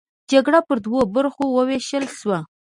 جرګه پر دوو برخو ووېشل شوه.